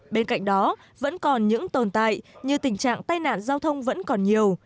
bên cạnh đó vẫn còn những tồn tại như tình trạng tai nạn giao thông vẫn còn nhiều